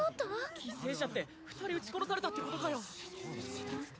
・犠牲者って２人撃ち殺されたってことかよ・